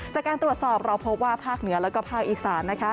จากการตรวจสอบเราพบว่าภาคเหนือแล้วก็ภาคอีสานนะคะ